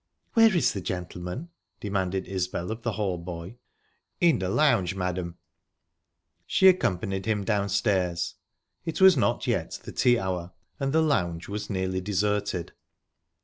"Where is the gentleman?" demanded Isbel of the hall boy. "In the lounge, madam." She accompanied him downstairs. It was not yet the tea hour and the lounge was nearly deserted.